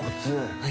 はい。